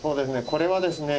これはですね